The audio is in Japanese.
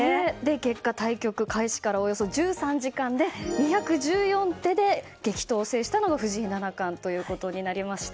結果、対局は開始からおよそ１３時間で２１４手で激闘を制したのが藤井七冠となりました。